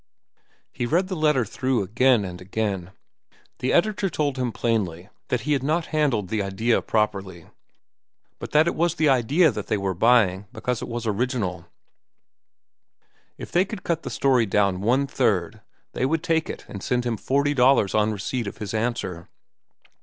He read the letter through again and again. The editor told him plainly that he had not handled the idea properly, but that it was the idea they were buying because it was original. If they could cut the story down one third, they would take it and send him forty dollars on receipt of his answer.